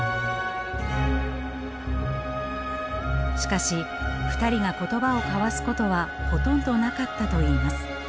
しかし２人が言葉を交わすことはほとんどなかったといいます。